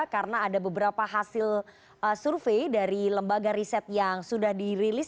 karena ada beberapa hasil survei dari lembaga riset yang sudah dirilis